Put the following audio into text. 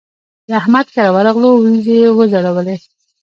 د احمد کره ورغلوو؛ وريځې يې وځړولې.